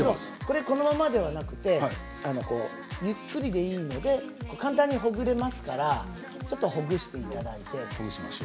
このままではなくてゆっくりでいいので簡単にほぐれますからちょっとほぐしていただいて。